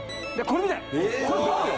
これ見て！